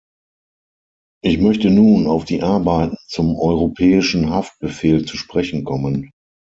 Ich möchte nun auf die Arbeiten zum europäischen Haftbefehl zu sprechen kommen.